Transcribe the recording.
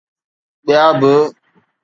ٻيا به.